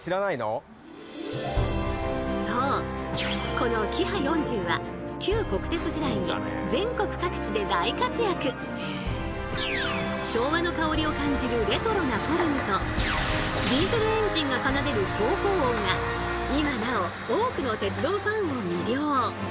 このキハ４０は昭和の薫りを感じるレトロなフォルムとディーゼルエンジンが奏でる走行音が今なお多くの鉄道ファンを魅了。